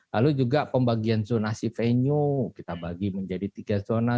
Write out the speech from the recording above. lalu juga pembagian zonasi venue kita bagi menjadi tiga zona